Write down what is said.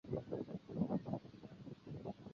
道斯普伦加斯不再被提及。